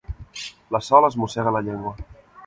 La Sol es mossega la llengua.